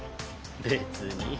別に。